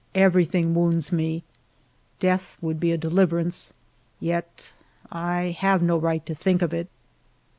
Everything wounds me ; death would be a deliverance, yet 1 have no right to think of it.